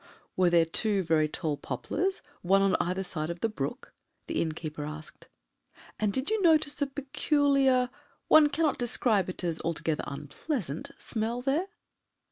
"Were there two very tall poplars, one on either side of the brook?" the innkeeper asked; "and did you notice a peculiar one cannot describe it as altogether unpleasant smell there?"